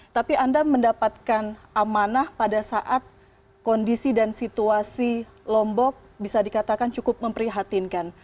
tapi anda mendapatkan amanah pada saat kondisi dan situasi lombok bisa dikatakan cukup memprihatinkan